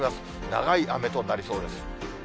長い雨となりそうです。